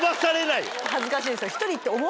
恥ずかしいんですよ。